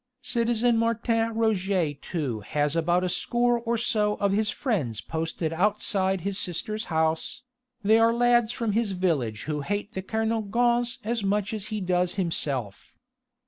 Citizen Martin Roget too has about a score or so of his friends posted outside his sister's house: they are lads from his village who hate the Kernogans as much as he does himself.